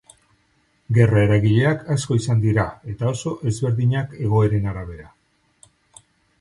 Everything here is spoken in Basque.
Gerra eragileak asko izan dira, eta oso ezberdinak egoeren arabera.